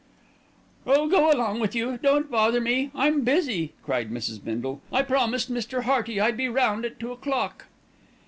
"Oh! go along with you, don't bother me. I'm busy," cried Mrs. Bindle. "I promised Mr. Hearty I'd be round at two o'clock."